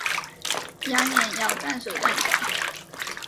扬言要断手断脚